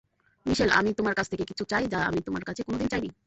মিশেল, আমি তোমার কাছ থেকে কিছু চাই যা আমি তোমার কাছে কোনোদিন চাইনি।